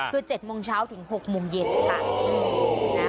คือ๗โมงเช้าถึง๖โมงเย็นค่ะ